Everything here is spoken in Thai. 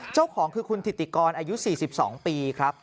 เจ้าของคือคุณถิติกรอายุ๔๒ปีครับ